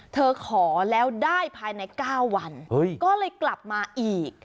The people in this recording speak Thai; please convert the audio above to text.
ขอแล้วได้ภายใน๙วันก็เลยกลับมาอีก